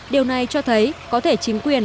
điều này cho thấy có thể chính quyền